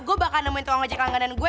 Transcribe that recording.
gue bakal nemuin tua ngojek angga dan gue